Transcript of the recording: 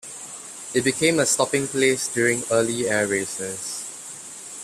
It became a stopping place during early air races.